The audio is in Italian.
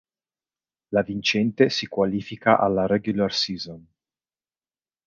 La vincente si qualifica alla "regular season".